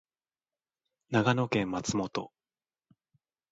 長野県松本